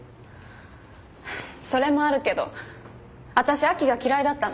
それもあるけど私亜希が嫌いだったの。